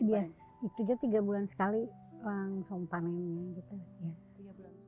itu juga tiga bulan sekali langsung panen